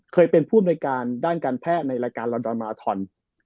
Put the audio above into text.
เคยเป็นผู้อำนวยการด้านการแพทย์ในรายการลอนดอนมาอาทอน